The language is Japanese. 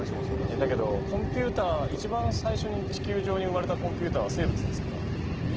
だけど一番最初に地球上に生まれたコンピューターは生物ですから。えっ？